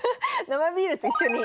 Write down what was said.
生ビールと一緒に。